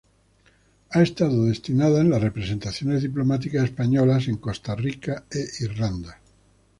Ha estado destinada en las representaciones diplomáticas españolas en Costa Rica e Irlanda.